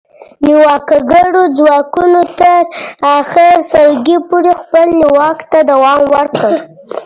نیواکګرو ځواکونو تر اخري سلګۍ پورې خپل نیواک ته دوام ورکړ